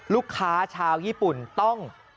ลูกค้าชาวญี่ปุ่นต้อง